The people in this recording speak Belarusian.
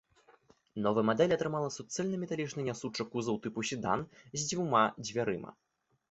Новая мадэль атрымала суцэльнаметалічны нясучы кузаў тыпу седан з дзвюма дзвярыма.